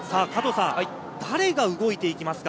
誰が動いていきますか？